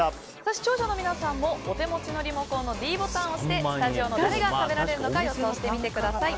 視聴者の皆さんも、お手持ちのリモコンのｄボタンを押してスタジオの誰が食べられるのか予想してみてください。